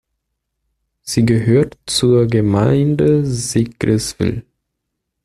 Sie gehört zur Gemeinde Sigriswil.